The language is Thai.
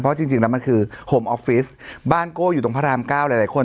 เพราะจริงแล้วมันคือโฮมออฟฟิศบ้านโก้อยู่ตรงพระรามเก้าหลายคน